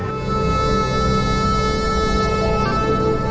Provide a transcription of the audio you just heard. เชิญครับ